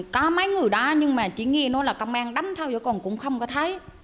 có mấy người đó nhưng mà chỉ nghe nói là công an đánh thao chứ còn cũng không có thấy